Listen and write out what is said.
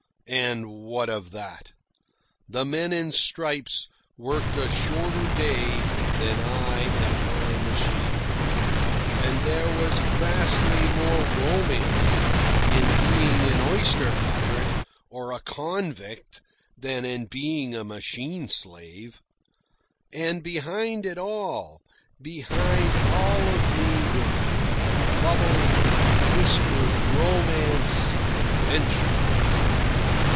And what of that? The men in stripes worked a shorter day than I at my machine. And there was vastly more romance in being an oyster pirate or a convict than in being a machine slave. And behind it all, behind all of me with youth abubble, whispered Romance, Adventure.